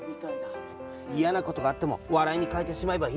いやなことがあってもわらいにかえてしまえばいいんだよ。